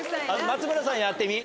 松村さんやってみ。